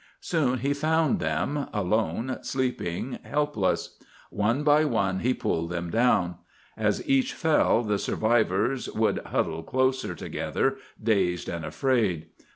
Soon he found them, alone, sleeping, helpless. One by one he pulled them down. As each fell, the survivors would huddle closer together, dazed and afraid.